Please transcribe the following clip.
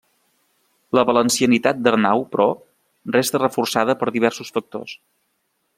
La valencianitat d'Arnau, però, resta reforçada per diversos factors.